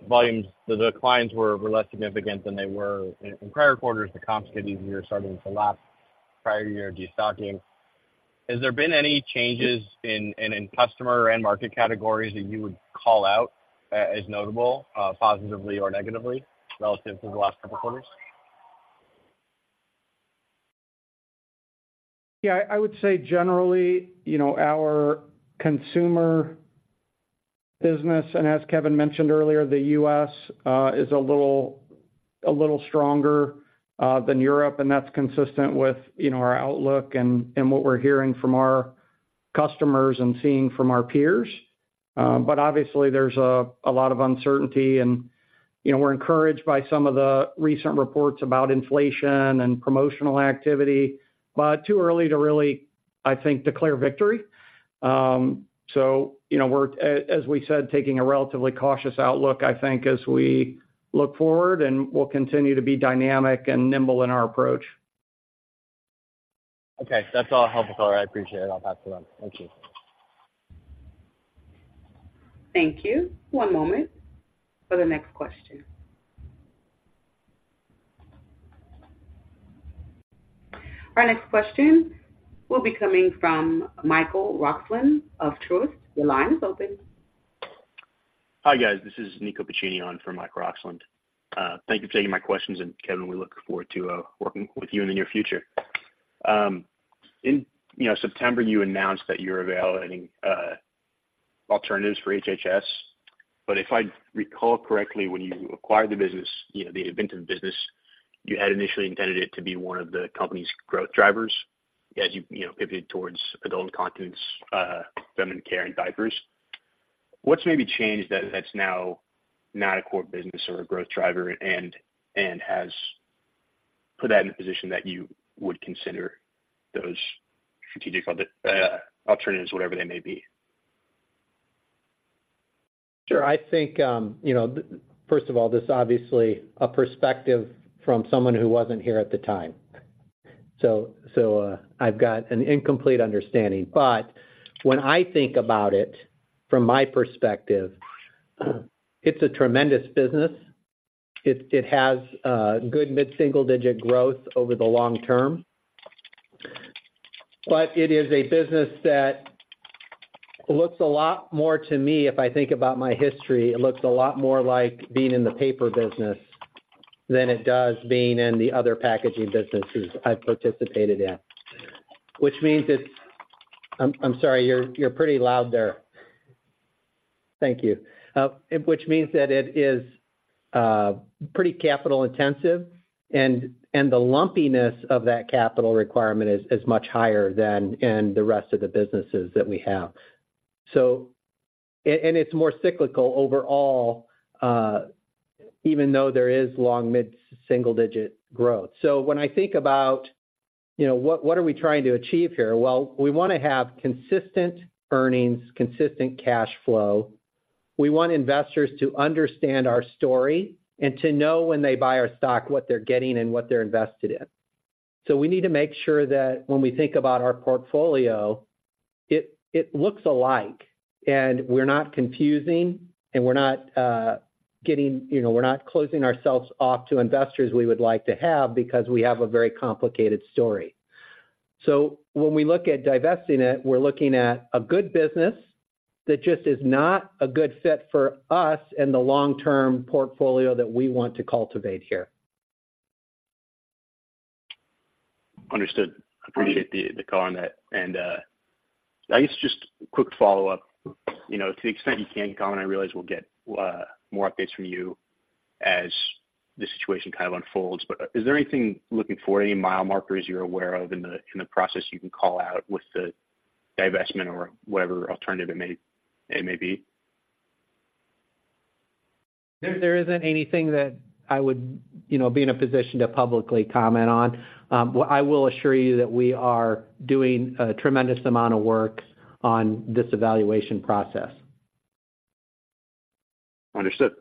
volumes, the declines were less significant than they were in prior quarters. The comps get easier, starting with the last prior year destocking. Has there been any changes in customer and market categories that you would call out as notable, positively or negatively, relative to the last couple quarters? Yeah, I would say generally, you know, our consumer business, and as Kevin mentioned earlier, the U.S. is a little stronger than Europe, and that's consistent with, you know, our outlook and what we're hearing from our customers and seeing from our peers. But obviously, there's a lot of uncertainty and, you know, we're encouraged by some of the recent reports about inflation and promotional activity, but too early to really, I think, declare victory. So, you know, we're, as we said, taking a relatively cautious outlook, I think, as we look forward, and we'll continue to be dynamic and nimble in our approach. Okay. That's all helpful. I appreciate it. I'll pass it on. Thank you. Thank you. One moment for the next question. Our next question will be coming from Michael Roxland of Truist. Your line is open. Hi, guys, this is Niko Pagani on for Michael Roxland. Thank you for taking my questions, and Kevin, we look forward to working with you in the near future. In, you know, September, you announced that you're evaluating alternatives for HHS. But if I recall correctly, when you acquired the business, you know, the Glatfelter business, you had initially intended it to be one of the company's growth drivers as you, you know, pivoted towards adult incontinence, feminine care, and diapers. What's maybe changed that, that's now not a core business or a growth driver and, and has put that in a position that you would consider those strategic alternatives, whatever they may be? Sure. I think, you know, first of all, this is obviously a perspective from someone who wasn't here at the time. So, I've got an incomplete understanding. But when I think about it from my perspective, it's a tremendous business. It has good mid-single digit growth over the long term. But it is a business that looks a lot more to me, if I think about my history, it looks a lot more like being in the paper business than it does being in the other packaging businesses I've participated in. Which means it's... I'm sorry, you're pretty loud there. Thank you. Which means that it is pretty capital intensive, and the lumpiness of that capital requirement is much higher than in the rest of the businesses that we have. It's more cyclical overall, even though there is long mid-single digit growth. So when I think about, you know, what are we trying to achieve here? Well, we wanna have consistent earnings, consistent cash flow. We want investors to understand our story and to know when they buy our stock, what they're getting and what they're invested in. So we need to make sure that when we think about our portfolio, it looks alike, and we're not confusing, and we're not getting-- you know, we're not closing ourselves off to investors we would like to have because we have a very complicated story. So when we look at divesting it, we're looking at a good business that just is not a good fit for us and the long-term portfolio that we want to cultivate here. Understood. I appreciate the call on that. And, I guess just quick follow-up. You know, to the extent you can't comment, I realize we'll get more updates from you as the situation kind of unfolds. But is there anything looking forward, any mile markers you're aware of in the process you can call out with the divestment or whatever alternative it may be? There isn't anything that I would, you know, be in a position to publicly comment on. I will assure you that we are doing a tremendous amount of work on this evaluation process. Understood.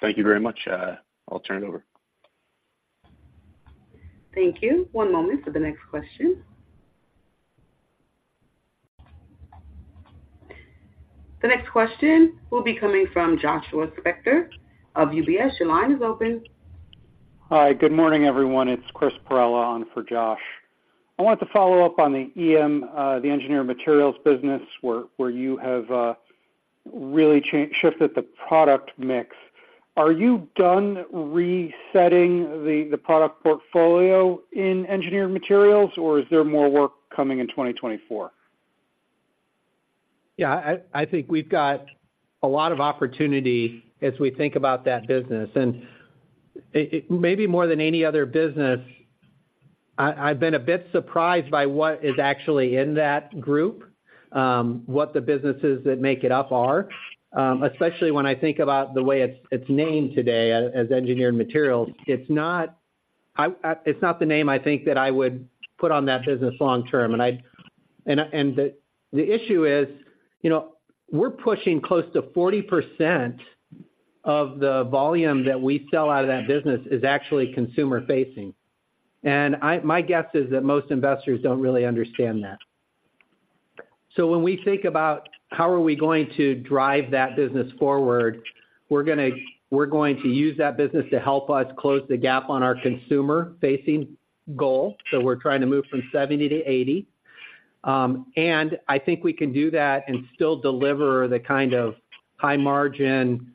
Thank you very much. I'll turn it over. Thank you. One moment for the next question. The next question will be coming from Joshua Spector of UBS. Your line is open. Hi, good morning, everyone. It's Chris Perrella on for Josh. I wanted to follow up on the EM, the Engineered Materials business, where you have really shifted the product mix. Are you done resetting the product portfolio in Engineered Materials, or is there more work coming in 2024? Yeah, I, I think we've got a lot of opportunity as we think about that business. And it, it maybe more than any other business, I, I've been a bit surprised by what is actually in that group, what the businesses that make it up are, especially when I think about the way it's, it's named today as, as Engineered Materials. It's not, I, it's not the name I think that I would put on that business long term. And and, and the, the issue is, you know, we're pushing close to 40% of the volume that we sell out of that business is actually consumer facing. And my guess is that most investors don't really understand that. So when we think about how are we going to drive that business forward, we're going to use that business to help us close the gap on our consumer-facing goal. So we're trying to move from 70 to 80. And I think we can do that and still deliver the kind of high margin,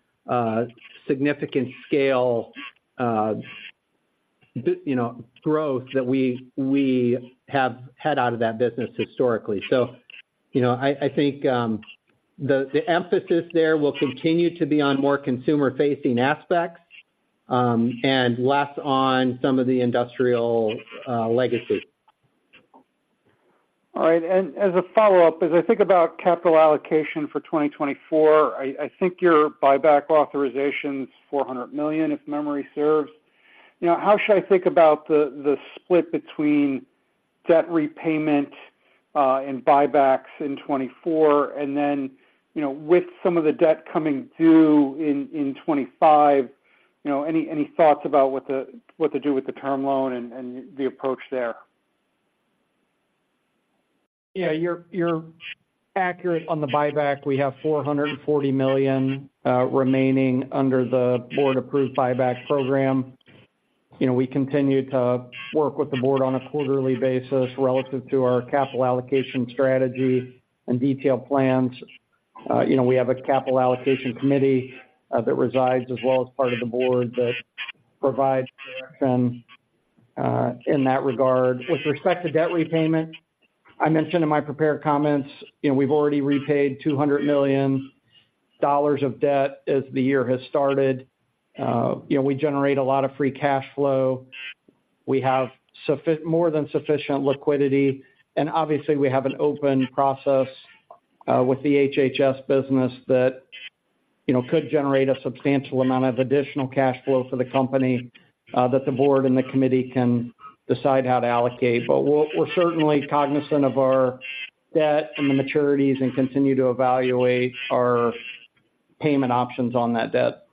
significant scale, you know, growth that we have had out of that business historically. So, you know, I think the emphasis there will continue to be on more consumer-facing aspects, and less on some of the industrial, legacy. All right. And as a follow-up, as I think about capital allocation for 2024, I think your buyback authorization is $400 million, if memory serves. You know, how should I think about the split between debt repayment and buybacks in 2024? And then, you know, with some of the debt coming due in 2025, you know, any thoughts about what to do with the term loan and the approach there? Yeah, you're accurate on the buyback. We have $440 million remaining under the board-approved buyback program. You know, we continue to work with the board on a quarterly basis relative to our capital allocation strategy and detailed plans. You know, we have a Capital Allocation Committee that resides, as well as part of the board, that provides direction in that regard. With respect to debt repayment, I mentioned in my prepared comments, you know, we've already repaid $200 million of debt as the year has started. You know, we generate a lot of free cash flow. We have more than sufficient liquidity, and obviously, we have an open process with the HHS business that, you know, could generate a substantial amount of additional cash flow for the company that the board and the committee can decide how to allocate. But we're certainly cognizant of our debt and the maturities and continue to evaluate our payment options on that debt.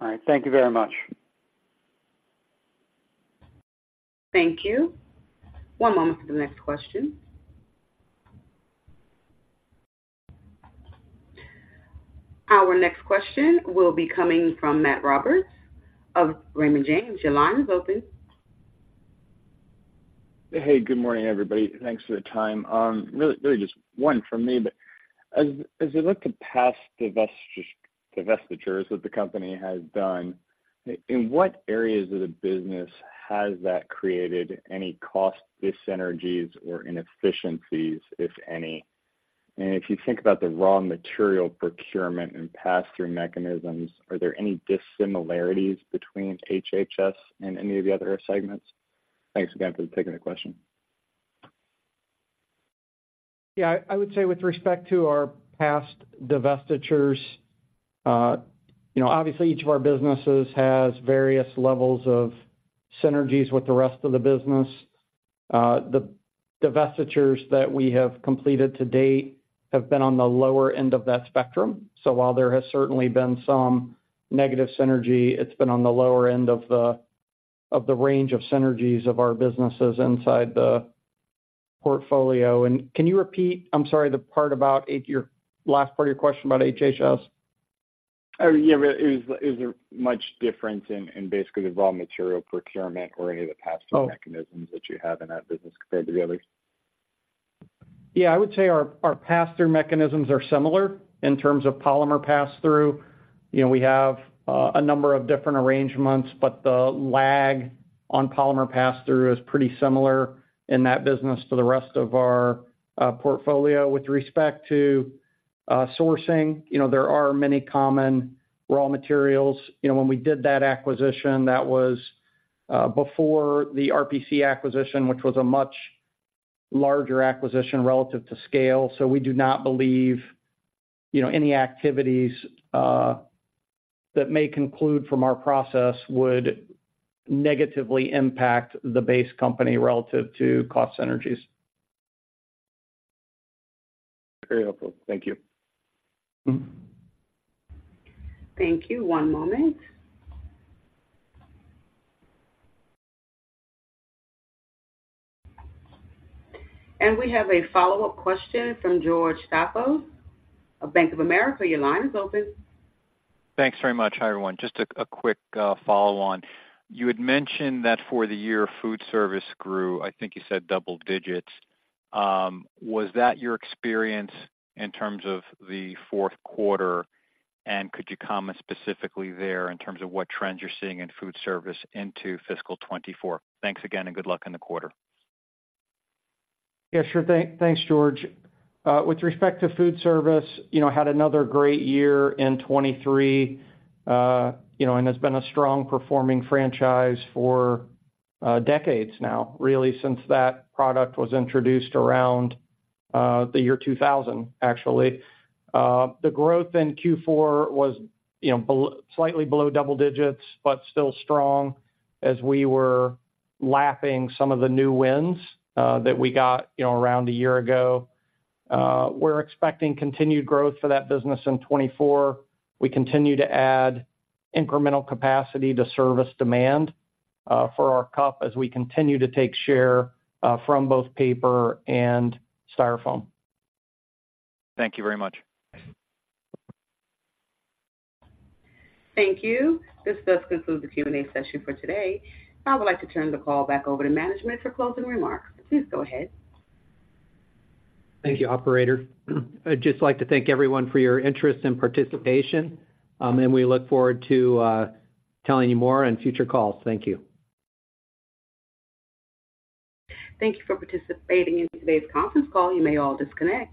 All right. Thank you very much. Thank you. One moment for the next question. Our next question will be coming from Matt Roberts of Raymond James. Your line is open. Hey, good morning, everybody. Thanks for the time. Really, really just one from me, but as you look at past divestitures that the company has done, in what areas of the business has that created any cost dyssynergies or inefficiencies, if any? And if you think about the raw material procurement and pass-through mechanisms, are there any dissimilarities between HHS and any of the other segments? Thanks again for taking the question. Yeah, I would say with respect to our past divestitures, you know, obviously, each of our businesses has various levels of synergies with the rest of the business. The divestitures that we have completed to date have been on the lower end of that spectrum. So while there has certainly been some negative synergy, it's been on the lower end of the range of synergies of our businesses inside the portfolio. And can you repeat, I'm sorry, the part about HHS? Your last part of your question about HHS? Oh, yeah. Is there much difference in basically the raw material procurement or any of the pass-through mechanisms that you have in that business compared to the others? Yeah, I would say our pass-through mechanisms are similar in terms of polymer pass-through. You know, we have a number of different arrangements, but the lag... on polymer pass-through is pretty similar in that business to the rest of our portfolio. With respect to sourcing, you know, there are many common raw materials. You know, when we did that acquisition, that was before the RPC acquisition, which was a much larger acquisition relative to scale. So we do not believe, you know, any activities that may conclude from our process would negatively impact the base company relative to cost synergies. Very helpful. Thank you. Mm-hmm. Thank you. One moment. We have a follow-up question from George Staphos of Bank of America. Your line is open. Thanks very much. Hi, everyone. Just a quick follow-on. You had mentioned that for the year, food service grew, I think you said double digits. Was that your experience in terms of the fourth quarter? And could you comment specifically there in terms of what trends you're seeing in food service into fiscal 2024? Thanks again, and good luck in the quarter. Yeah, sure. Thanks, George. With respect to food service, you know, had another great year in 2023, you know, and has been a strong performing franchise for decades now, really, since that product was introduced around the year 2000, actually. The growth in Q4 was, you know, slightly below double digits, but still strong as we were lapping some of the new wins that we got, you know, around a year ago. We're expecting continued growth for that business in 2024. We continue to add incremental capacity to service demand for our cup as we continue to take share from both paper and Styrofoam. Thank you very much. Thank you. This does conclude the Q&A session for today. I would like to turn the call back over to management for closing remarks. Please go ahead. Thank you, operator. I'd just like to thank everyone for your interest and participation, and we look forward to telling you more on future calls. Thank you. Thank you for participating in today's conference call. You may all disconnect.